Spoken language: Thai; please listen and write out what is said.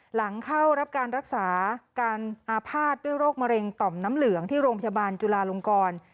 หลังเข้ารับการรักษาการอาภาษณ์ด้วยโรคมะเร็งต่อมน้ำเหลืองที่โรงพยาบาลจุลาลงกร